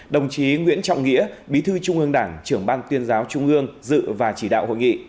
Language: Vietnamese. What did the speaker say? đồng chí nguyễn trọng nghĩa bí thư trung ương đảng trưởng ban tuyên giáo trung ương dự và chỉ đạo hội nghị